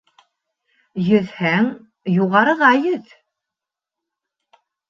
Йөҙһәң, юғарыға йөҙ.